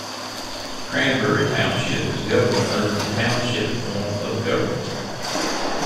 Cranbury Township is governed under the Township form of government.